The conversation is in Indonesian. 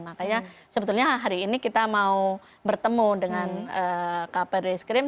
makanya sebetulnya hari ini kita mau bertemu dengan kabar reskrim